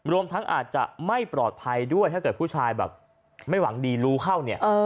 รวมทั้งอาจจะไม่ปลอดภัยด้วยถ้าเกิดผู้ชายแบบไม่หวังดีรู้เข้าเนี่ย